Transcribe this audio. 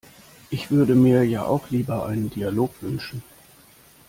Ich würde mir ja auch lieber einen Dialog wünschen.